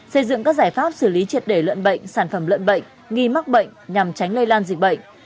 xây dựng các giải pháp xử lý triệt để lợn bệnh sản phẩm lợn bệnh nghi mắc bệnh nhằm tránh lây lan dịch bệnh